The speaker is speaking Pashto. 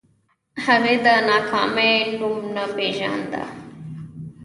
هغې د ناکامۍ نوم نه پېژانده